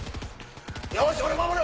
よし俺守る！